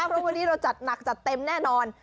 เพราะวันนี้เราจัดหนักจัดเต็มแน่นอน